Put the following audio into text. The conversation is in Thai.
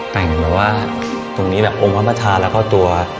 แต่งเหมือนว่าตรงนี้แบบองค์วัฒนธาแล้วก็ตัว